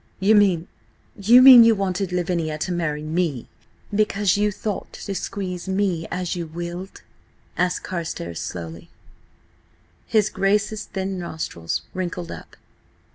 "You mean–you mean you wanted Lavinia to marry me–because you thought to squeeze me as you willed?" asked Carstares slowly. His Grace's thin nostrils wrinkled up.